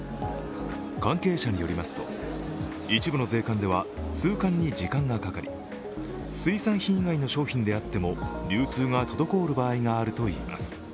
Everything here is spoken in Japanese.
関係者によりますと、一部の税関では通関に時間がかかり、水産品以外の商品であっても流通が滞る場合があるといいます。